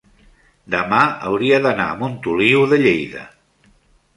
demà hauria d'anar a Montoliu de Lleida.